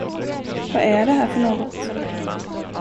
Vad är det här för något?